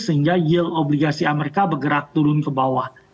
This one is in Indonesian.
sehingga yield obligasi amerika bergerak turun ke bawah